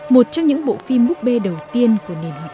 một trong những bộ phim búp bê đầu tiên của nền họt hình nước nhà